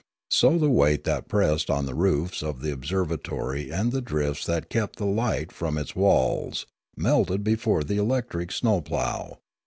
So the weight that pressed on the roofs of the observatory and the drifts that kept the light from its walls melted before the electric snow plough.